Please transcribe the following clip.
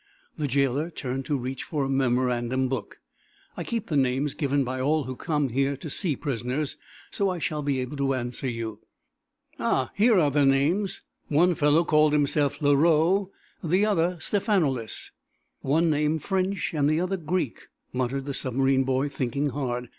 The jailer turned to reach for a memorandum book. "I keep the names given by all who come here to see prisoners, so I shall be able to answer you." "Ah, here are the names. One fellow called himself Leroux, the other Stephanoulis." "One name French, and the other Greek," muttered the submarine boy, thinking hard.